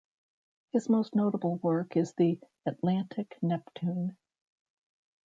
His most notable work is the "Atlantic Neptune".